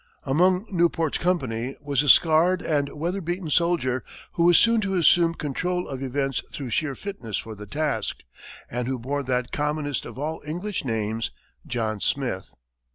Among Newport's company was a scarred and weather beaten soldier, who was soon to assume control of events through sheer fitness for the task, and who bore that commonest of all English names, John Smith.